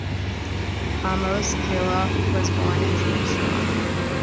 Amos Kollek was born in Jerusalem.